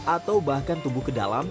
atau bahkan tumbuh ke dalam